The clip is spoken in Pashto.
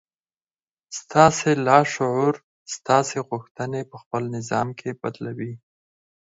ستاسې لاشعور ستاسې غوښتنې په خپل نظام کې بدلوي.